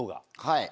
はい。